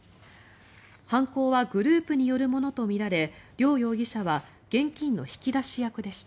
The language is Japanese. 犯行はグループによるものとみられリョウ容疑者は現金の引き出し役でした。